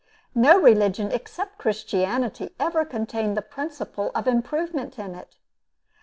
No religion except Christianity ever contained the principle of improvement in it.